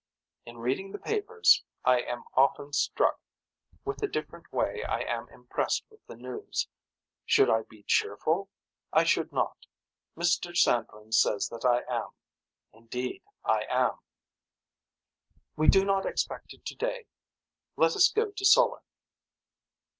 In reading the papers I am often struck with the different way I am impressed with the news. Should I be cheerful. I should not. Mr. Sandling says that I am. Indeed I am. We do not expect it today. Let us go to Soller.